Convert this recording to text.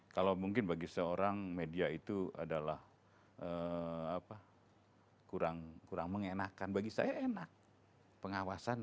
kalau mungkin bagi seorang media itu adalah kurang mengenakan bagi saya enak pengawasan